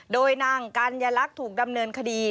โดยนางกัญลักษณ์ถูกดำเนินคดี